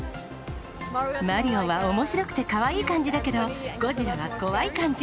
マリオはおもしろくてかわいい感じだけど、ゴジラは怖い感じ。